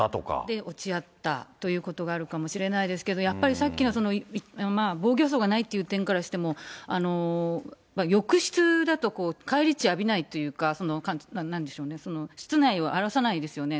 で、落ち合ったということがあるかもしれないですけど、やっぱりさっきの防御そうがないって点からしても、浴室だと、返り血を浴びないというか、なんでしょうね、室内を荒らさないですよね。